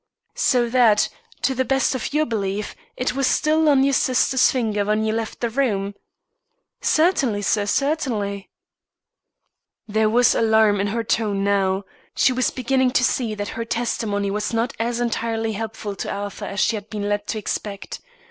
"So that, to the best of your belief, it was still on your sister's finger when you left the room?" "Certainly, sir, certainly." There was alarm in her tone now, she was beginning to see that her testimony was not as entirely helpful to Arthur as she had been led to expect.